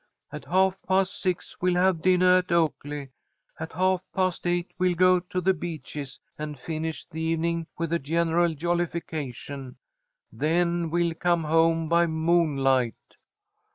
At half past six we'll have dinnah at Oaklea. At half past eight we'll go to The Beeches and finish the evening with a general jollification. Then we'll come home by moonlight."